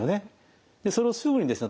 それをすぐにですね